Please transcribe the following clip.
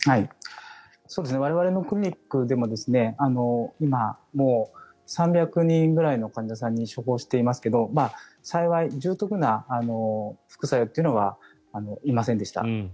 我々のクリニックでも３００人ぐらいの患者さんに処方していますが幸い重篤な副作用というのはいませんでした。